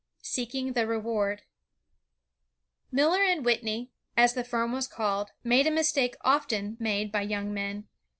Seeking the Reward Miller and Whitney, as the firm was called, made a mistake often made by young men.